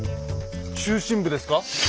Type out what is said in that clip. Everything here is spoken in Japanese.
中心部ですか？